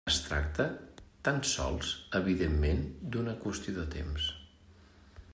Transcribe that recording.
Es tracta tan sols evidentment d'una qüestió de temps.